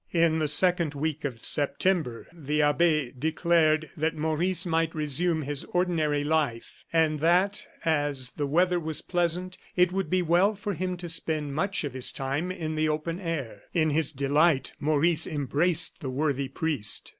In the second week of September the abbe declared that Maurice might resume his ordinary life, and that, as the weather was pleasant, it would be well for him to spend much of his time in the open air. In his delight, Maurice embraced the worthy priest.